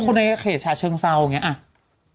คือในเขตฉาเชิงเศร้าอย่างนี้